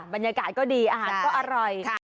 บรรยากาศก็ดีอาหารก็อร่อย